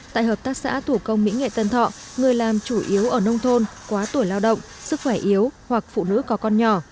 tại hợp tác xã thủ công mỹ nghệ tân thọ người làm chủ yếu ở nông thôn quá tuổi lao động sức khỏe yếu hoặc phụ nữ có con nhỏ